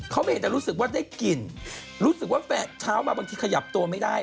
เขาไม่รู้สึกได้กลิ่นรู้สึกว่าแฟนเช้ามาบางทีขยับตัวไม่ได้